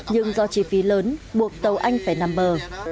nhưng do chi phí lớn buộc tàu anh phải nằm bờ